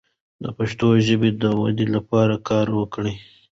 د پښتو ژبې د ودې لپاره کار وکړو.